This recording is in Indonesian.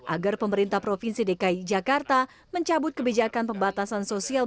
agar pemerintah provinsi dki jakarta mencabut kebijakan pembatasan sosial